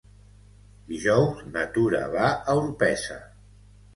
Dijous na Tura va a Orpesa.